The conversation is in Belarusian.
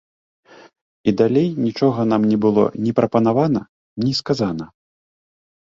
І далей нічога нам не было ні прапанавана, ні сказана.